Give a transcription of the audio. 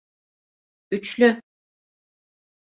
Üçlü…